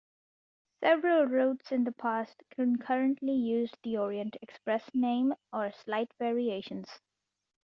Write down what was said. Several routes in the past concurrently used the Orient Express name, or slight variations.